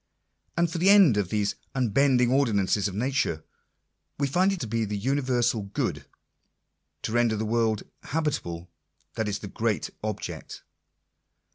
And for the end of these unbending ordinances of nature — we find it to be the universal good. To render the world habitable; that is the great object.